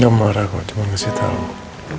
gak marah kok cuma kasih tau